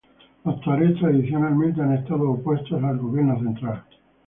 Los tuareg tradicionalmente han estado opuestos al gobierno central.